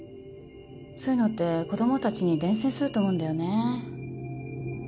そういうのって子供たちに伝染すると思うんだよねぇ。